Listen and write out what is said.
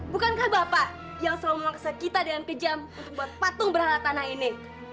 bukankah bapak yang selalu memaksa kita dengan kejam untuk membuat patung berhala tanah ini